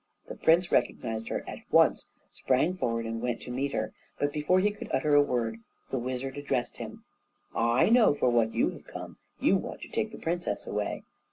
The prince recognized her at once, sprang forward, and went to meet her; but before he could utter a word the wizard addressed him: "I know for what you have come; you want to take the princess away.